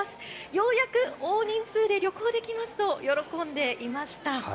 ようやく大人数で旅行できますと喜んでいました。